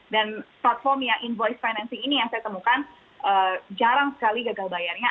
platform yang envoyce financing ini yang saya temukan jarang sekali gagal bayarnya